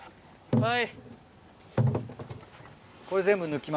はい。